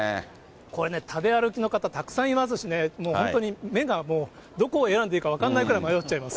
これね、食べ歩きの方、たくさんいますしね、もう本当に目がもう、どこを選んでいいか分からないくらい、迷っちゃいます。